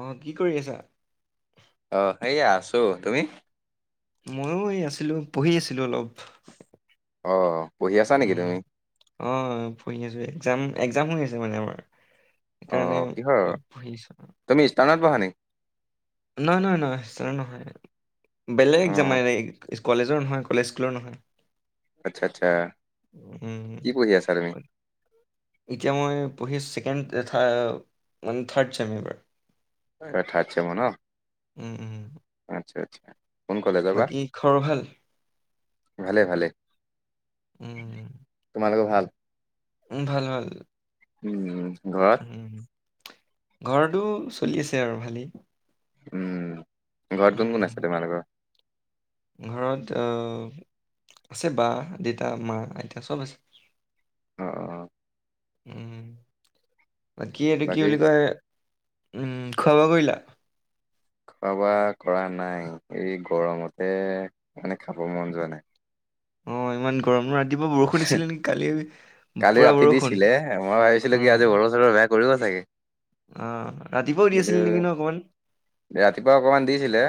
আহ কি কৰি আছা? আহ এয়া আছো তুমি? ময়ো এই আছিলো পঢ়ি আছিলো অলপ। অ', পঢ়ি আছা নেকি উম, তুমি? অ' পঢ়ি আছো এ-এক্সাম এক্সাম হৈ আছে। মানে আমাৰ সেইকাৰণে অ', কিহৰ? অলপ পঢ়ি আছো আৰু। [inaudible] নহয় নহয় নহয় ছাৰ নহয় বেলেগ অ', জামাইৰে কলেজৰ নহয় কলেজ স্কুলৰ নহয়। আচ্ছা আচ্ছা। উম, কি পঢ়ি আছা তুমি? এতিয়া মই পঢ়ি আছোঁ ছেকেণ্ড এতিয়া থা মানে থাৰ্ড চেম এইবাৰ। এবাৰ থাৰ্ড চেমৰ ন? উম, উম। আচ্ছা আচ্ছা। কোন কলেজৰ বা? বাকী খবৰ ভাল? ভালে ভালে। উম, উম। তোমালোকৰ ভাল? উম, ভাল ভাল। উম, ঘৰত? ঘৰটো চলি আছে আৰু ভালেই। উম। ঘৰত কোন কোন উম আছে তোমালোকৰ? ঘৰত আ আছে বা দেউতা মা আইতা চব আছে। অ', অ'। উম, বাকী এইটো কি বুলি কয়? উম খোৱো বোৱা কৰিলা? খোৱা বোৱা কৰা নাই এই গৰমতে মানে খাব মন যোৱা নাই। অ', ইমান গৰম ন ৰাত ৰাতিপুৱা বৰষুণ দিছিলে নেকি কালি কালি পুৰা ৰাতি বৰষুণ দিছিলে মই ভাবিছিলো কি আজি অ'। বতৰ চতৰ বেয়া কৰিব চাগে। অ ৰাতিপুৱাও দি কি আছিলে নেকি ন অকমান ৰাতিপুৱা অকমান দিছিলে।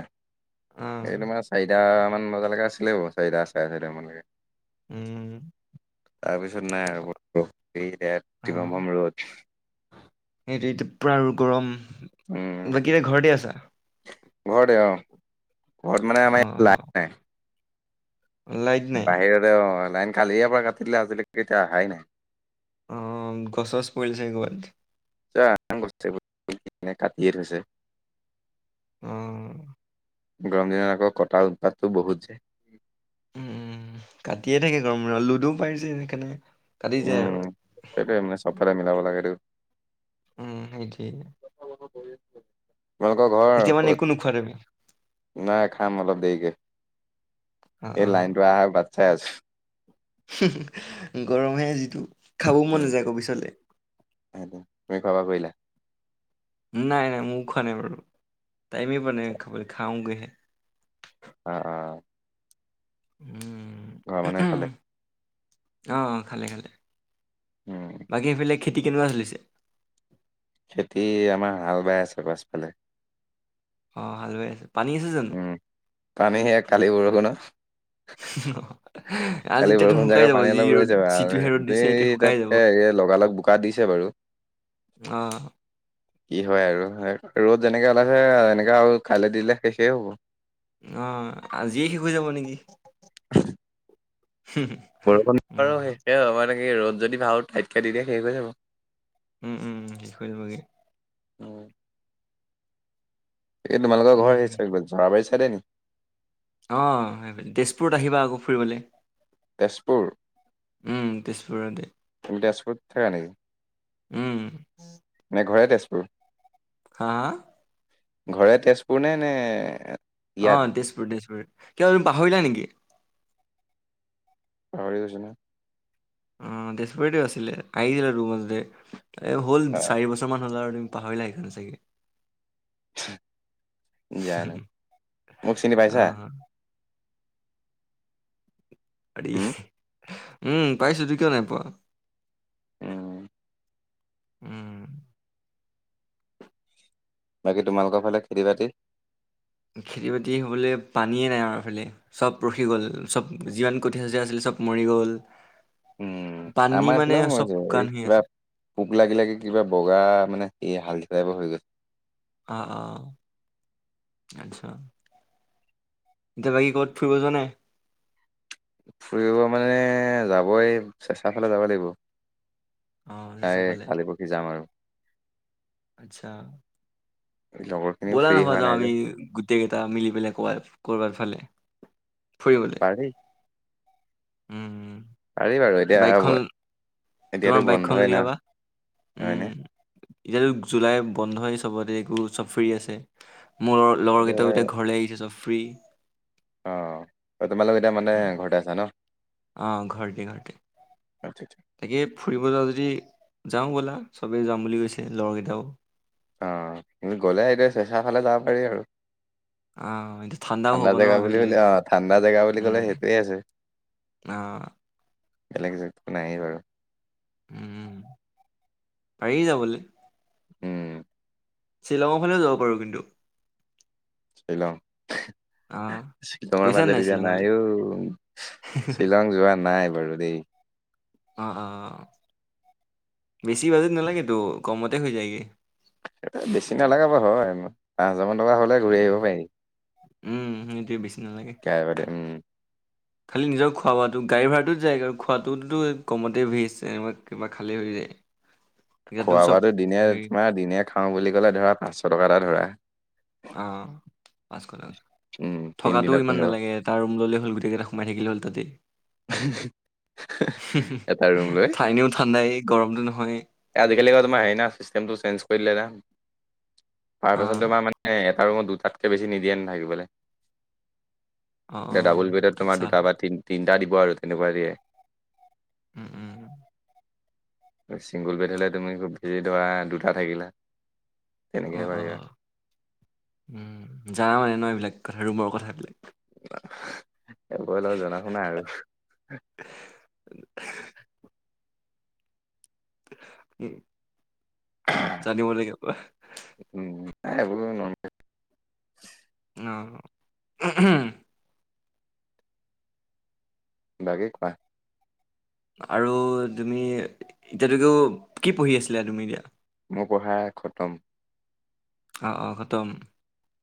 অ এই তোমাৰ চাৰিটামান বজালৈকে আছিলে। বাৰ, চাৰিটা, চাৰে চাৰিটামানলৈকে। উম। তাৰপিছত নাই আৰু অ তিমাম ৰ'দ। তি, পুৰা গৰম উম বাকী এতিয়া ঘৰতে আছা? ঘৰতে অ ঘৰত মানে অ আমাৰ ই, লাইট নাই। লাইট নাই বাহিৰতে অ, লাইন কালিৰে পৰা কাটি দিলে, আজিলৈকে এতিয়া আহাই নাই। অ, গছছ পৰিছে চাগে কৰবাত। আ, বস্ত কাটিয়ে থৈছে। অ'। গৰম দিনত আকৌ কটাল উৎপাতটো বহুত যে। উম, উম, কাটিয়ে থাকে গৰম, লুডু পাৰিছে সেইকাৰণে। কাটি যায় উম আৰু। উম সেইটোৱে কথা বতৰা দে তোমালোকৰ ঘৰ এতিয়া মানে ক'ত? একো নোখোৱা তুমি নাই খা খাম অলপ দেৰিকে, অ এই লাইনটো অহা বাট চাই আছো। গৰমে যিটো। খাবও মন উম নাযায় কবিছলে। সেইটো তুমি খোৱা বোৱা কৰিলা নাই, নাই, মোৰ খোৱা নাই বাৰু টাইমেই পোৱা নাই, খাবলে খাওঁগে হে। আ, আ। উম। ঘৰৰ মানহে খালে? অ', অ', খালে, খালে উম বাকী সেইফালে খেতি কেনেকুৱা চলিছে। খেতি আমাৰ হাল বাই আছে পাছফালে। অ, হালৈ আছে, পানী আছে জানো? উম পানী সে, কালি বৰষুণ আজি কালি এতিয়াতো বৰষুণ শুকাই জোগা যাব পানী যি অলপ ৰ'দ ৰৈছে যিটোহে ৰ'দ দিছে এতিয়া ব, শুকাই যাব তাত লগালগ বোকা দিছে বাৰু। অ। কি হয় আৰু ৰ'দ যেনেকে ওলাইছে এনেকে আৰু। খালে দিলে শেষেই হ'ব। অ, আজিয়ে শেষ হৈ যাব নেকি। বৰষুণ উম আৰু শেষে মানে কি ৰ'দ যদি ভাল টাইতকে দি দিয়ে, শেষ হৈ যাব। উম, উম, শেষ হৈ যাবগে। অ'। এই তোমালোকৰ ঘৰ উম। সেই জৰাবাৰী সাইদে নেকি। অ, সেই তেজপুৰত আহিবা আকৌ ফুৰিবলৈ। তেজপুৰ, তেজপুৰতে তুমি তেজপুৰত থাকা নেকি? উম। নে ঘৰে তেজপুৰ। হা, হা। ঘৰে তেজপুৰ নে, নে। ইয়াত আহ, তেজপুৰ, তেজপুৰ কিবা তুমি পাহৰিলা নেকি। পাহৰি গৈছে ন। অ, তেজপুৰতে আছিলে আহিছিল [unintelligible] আৰু তোৰ মাজতে এই হ'ল নহয় চাৰি বছৰমান হ'ল। পাহৰিলাই ন, চাগে। জানো মোক চিনি অ পাইছা। হ, উম উম, পাইছো কিয় নাই পোৱা। উম। উম। বাকী তোমালোকৰ ফালে খেতি বাতি? খেতি বাতি হ'বলৈ পানীয়েই নাই আৰু আমাৰফালে, চব ৰখি গ'ল চব যিমান কঠিয়া চঠীয়া আছিলে চব চব মৰি গ'ল। উম। পানী আমাৰ মানে এইফালেও মৰি চব যাব, শুকান এই হৈ কিবা আছে পোক লাগি লাগি কিবা বগা মানে এই হাল তেৰ হাজাৰ অ', অ', আচ্ছা। এতিয়া বাকী ক'ত ফুৰিব যোৱা নাই? ফুৰিব মানে যাবই চেচাঁ ফালে যাব লাগিব। অ চেচা প্ৰায় ফালে কালি পৰহি যাম আৰু। আচ্ছা। লগৰ খিনিও ব'লা ফ্ৰী নহয় হোৱা যাও নাই যে আমি গোটেই কেইটা মিলি পেলাই ক'ৰবাত ক'ৰবাফালে। ফুৰিবলৈ, পাৰি উম, উম। পাৰি বাৰু এতিয়া, তোমাৰ এতিয়াতো বাইকখন বন্ধই ন, উলিয়াবা উম হয়নে? এতিয়াতো জুলাই বন্ধই চবতে একো চব ফ্ৰী আছে। মোৰ লগৰ এইটো কেইটাও হয় এতিয়া বাৰু। ঘৰলে আহিছে সব ফ্ৰী। অ', তোমালোক এতিয়া মানে ঘৰতে আছা ন? অ', ঘৰটে ঘৰটে। আচ্ছা আচ্ছা। তাকে ফুৰিব যাওঁ যদি যাওঁ ব'লা চবেই যাম বুলি কৈছে লগৰ কেইটাও। অ', গ'লে এতিয়া চেচাৰ ফালে যাব পাৰি আৰু। আহ এতিয়া ঠাণ্ডাও ঠাণ্ডা হ'ব ন জেগা বুলি এইফালে অ', ঠাণ্ডা জেগা বুলি কলে সেইটোয়ে আছে। অ'। বেলেগ জেগ নায়েই বাৰু উম, পাৰি যাবলে। উম শ্বিলঙৰ ফালেও যাব পাৰোঁ কিন্তু শ্বিলং আহ [inaudible] শ্বিলঙৰ গৈছা নাই মাজেদি যে শ্বিলঙলৈ নাইঅ', শ্বিলং যোৱা নাই বাৰু। দেই অ', অ', বেছি বাজেট নালাগেতো কমতে হৈ যায়গে। বেছি নালাগা বাৰু ইমা, পাঁচ হাজাৰ মান টকা হ'লে ঘূৰি আহিব পাৰি। উম, সেইটোৱে বিচ্ কেবদি উম। খালী নিজৰ খোৱা বোৱাটো গাড়ী ভাড়াটো যায়গে খোৱাটোততো কমতে ভেছ এনেকুৱা কিবা খালে হৈ যায়। ইয়াতো খোৱা চব বোৱাতো দিনে হেৰি তোমাৰ দিনে খাওঁ বুলি কলে ধৰা পাঁচশ টকা এটা ধৰা। অ', পাঁচশ টক উম থকাটো তিনদিনত ইমান পোন্ধৰ নালাগে এটা ৰুম ল'লে হ'ল গোটেইকেইটা সোমাই থাকিলে হ'ল তাতে। [inaudible] এটা ৰুম লৈ [inaudible] ঠাইনেও ঠাণ্ডাই গৰমটো নহয়। আজিকালি ক তোমাৰ হেৰি ন চিষ্টেমটো চেঞ্জ কৰি দিলে না। পাৰ পাৰচন অ' তোমাৰ মানে আৰু দুটাতকে বেছি নিদিয়ে ন থাকিবলে। অ' এ অ' ডাবুল বেডত তোমাৰ আচ্ছা দুটা বা তিন-তিনিটা দিব আৰু তেনেকুৱা দিয়ে। উম, উম। চিংগুল বেড হ'লে তুমি হেৰী ধৰা দুটা থাকিলে। অ', অ'। উম, জানা মানে ন এইবিলাক কথা ৰুমৰ কথাবিলাক। [inaudible] এইবো অলপ জনা শুনা আৰু। [inaudible] জানিব লাগিব [inaudible] এ এইবোৰ মোৰ নৰ্মেল [inaudible] অ' [unintelligible] বাকী, কোৱা। আৰু তুমি, এতিয়াটোকেও কি পঢ়ি আছিলা তুমি এতিয়া? মোৰ পঢ়া খতম। অ', অ', খতম।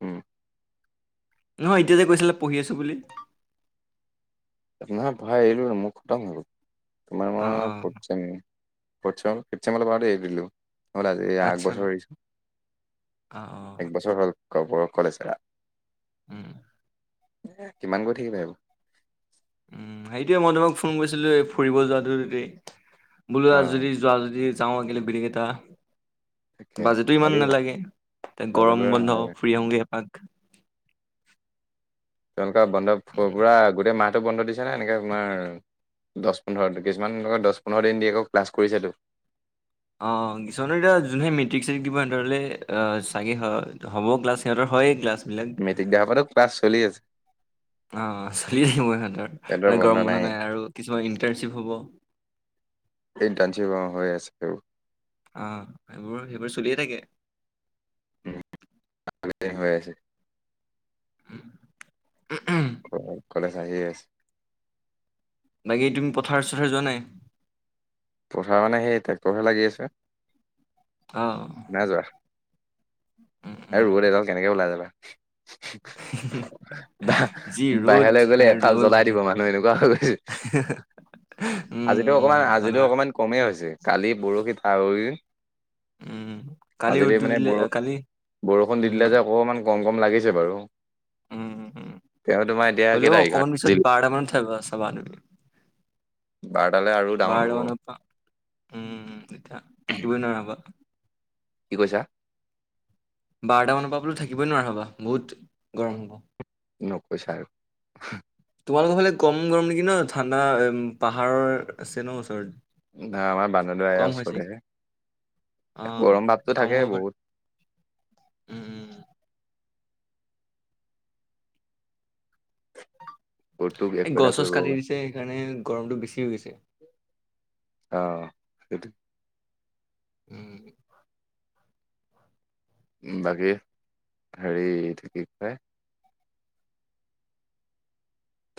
উম, নহয়, এতিয়া যে কৈছিলা পঢ়ি আছো বুলি নহয়, পঢ়া এৰিলোঁ ন, মোৰ খটম হৈ গল, তোমাৰ অ', মই অ', fourth sem fourth sem, fort ছেমলেই পাওঁতেই এৰি দিলোঁ হ'ল আজি, ইয়াৰ আচ্ছা অ', আগবছৰ এৰিছো, অ', একবছৰ হ'ল। ক'ব কলেজ এৰা উম। এই কিমান গৈ থাকিবা এইবোৰ। উম, সেইটোৱেই, মই তোমাক ফোন কৰিছিলো, এই ফুৰিব যোৱাটোতেই। বোলো অ', যদি যোৱা যদি যাওঁ, একেলগে গোটেইকেইটা। তাকে বাজেটো পাৰি ইমান নালাগে, তে বাজেট গৰম বোৰে বন্ধ নালাগে। ফু্ৰি আহোঁগে এপাক। তেওঁলোকে বন্ধ পুৰা গোটেই মাহটো বন্ধ দিছে নে? এনেকে তোমাৰ দছ পোন্ধৰ দিন, কিছুমান আকৌ দছ পোন্ধৰ দিন দি আকৌ ক্লাছ কৰিছেতো। অ', কিছমানৰ এতিয়া, যোনে মেট্ৰিক ছেট্ৰিক দিব, সিহঁতৰলে চাগে হ, হ'ব ক্লাছ সিহতৰ। হয়েই ক্লাচ। মেট্ৰিক দিয়াসোপাটো ক্লাছ চলি আছে। অ', চলি থাকিব সিহঁতৰ, গৰম বন্ধ নাই আৰু কিছুমান ইণ্টাৰ্ণশ্বিপ হ'ব। ইন্টাৰ্নশ্বিপ অ' হৈ আছেও। অ', সেইবোৰ, সেইবোৰ চলিয়েই থাকে। [unintelligible] হৈ আছে। উম। কলেজ আহিয়েই আছে। বাকি তুমি পথাৰ চথাৰ যোৱা নাই। পথাৰ মানে সেই ট্ৰেক্টৰহে লাগি আছে। অহ। নাই যোৱা আৰু ৰ'দ এইডাল, কেনেকে ওলাই যাবা? [unintelligible] বা যি ৰ'দ বাহিৰলৈ গ'লে বাহিৰত এফাল ওলাবই জ্বলাই ভয় লাগে। দিব, মানুহ এনেকুৱা হৈ গৈছে। উম, আজিতো অকমান, উম, হয় আজিতো বাৰু। অকমান কমেই হৈছে, কালি পৰশি তাৰ আগৰগিদিন উম, কালি আজিলৈ ৰ'দটো মানে দিলে বৰ, আহ, কালি বৰষুণ দি উম, দিলে যে অকমান গৰম গৰম লাগিছে বাৰু। উম, উম। তেওঁ তোমাৰ এতিয়া হ'লেও কেইটা, অকমান এঘাৰটাত পিছত দিন। বাৰটা মানত চাবা চাবা তুমি বাৰতালে আৰু ডাঙৰ বাৰটা হ'ব। মানৰ পৰা উম, এতিয়া থাকিবই নোৱাৰা হ'ব। কি কৈছা? বাৰটামানৰ পৰা বোলো থাকিবই নোৱাৰা হ'বা, বহুত গৰম হ'ব। নকৈছা আৰু। তোমালোকৰ ফালে কম গৰম নেকি ন? ঠাণ্ডা পাহাৰৰ আছে ন ওচৰত। না আমাৰ বান্দৰদেৱাৰ কম এইয়া হয় ওচৰত চাগে হে। অ', গৰম ভাৱটো কম হ'ব থাকেই পাৰে বহুত। উম, উম, উম। ৰ'দটো এই একো এটা গছ চছ কৰিব কাটি দিছে, সেইকাৰণে গৰমটো বেছি হৈ গৈছে। অহ, সেই। উম। উম, বাকী, হেৰি এইটো কি কয়?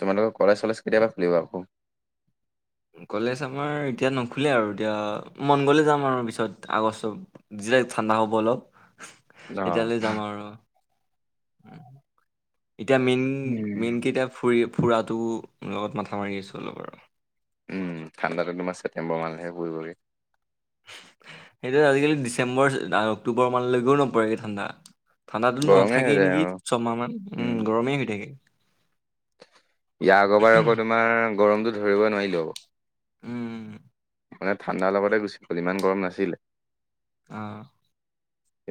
তোমালোকৰ কলেজ চলেজ কেতিয়াপা খুলিব আকৌ? কলেজ আমাৰ এতিয়া নোখোলে আৰু, এতিয়া মন গ'লে যাম আৰু পিছত, আগষ্ট যেতিয়া ঠাণ্ডা হ'ব অলপ। অ'। এতিয়ালৈ যাম আৰু, উম। এতিয়া উম। মেইন-মেইনকে এতিয়া ফুৰি-ফুৰাটো লগত মাথা মাৰি আছো অলপ আৰু। উম, ঠাণ্ডাটো তোমাৰ ছেপ্টেম্বৰ মানলহে পৰিবগৈ। সেইটো আজিকালি ডিচেম্বৰ অক্টোবৰ মানলৈকেও নপৰেগৈ ঠাণ্ডা। ঠাণ্ডাটো গৰমে হৈ নাথাকেই যায় নেকি অ', ছমাহমান উম, গৰমেই হৈ থাকে। ইয়াৰ আকৰবাৰ আকৌ তোমাৰ গৰমটো ধৰিবই নোৱাৰিলোঁ আকৌ। উম মানে ঠাণ্ডা লগতে গুচি গ'ল, ইমান গৰম নাছিল। আহ,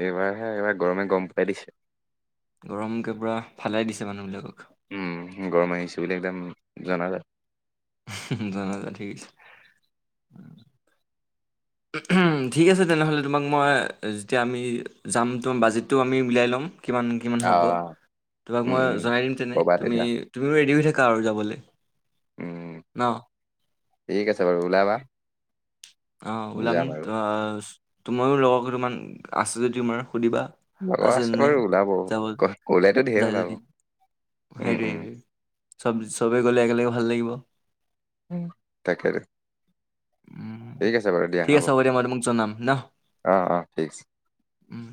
এইবাৰহে এইবাৰ গৰমে গৰম পাই দিছে। গৰম [unintelligible] ফালাই দিছে মানুহবিলাকক। উম, গৰম আহিছোঁ বুলি একদম জনা যায়। [unintelligible] ঠিক আছে, তেনেহ'লে তোমাক মই যেতিয়া আমি যাম তোমাৰ বাজেটটো আমি উলাই ল'ম। কিমান কিমান হ'ব অ'। তোমাক উম, মই উম, জনাই দিম তেনে, ক'বা তেতিয়া, তুমি-তুমিও ৰেডি হৈ থাকা আৰু যাবলৈ। উম, ন'? ঠিক আছে বাৰু, ওলাবা। অ, ওলাম যাম আৰু। অ, তোমাৰো লগৰ কেইটমান আছে যদি তোমাৰ সুধিবা, লগৰ আছে নে, বাৰু ওলাব, যাব, ওলাইতো ধেৰ যায় ওলাব, যদি। উম, উম। সেইটোৱেই, চব-চবে গলে একেলগে ভাল লাগিব। উম, তাকেতো। উম, ঠিক আছে বাৰু দিয়া ঠিক হ'ব। আছে মই তোমাক জনাম ন অ, অ, ঠিক আছে। [inaudible] উম।